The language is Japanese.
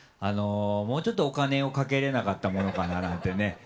もうちょっとお金をかけれなかったものかななんてね。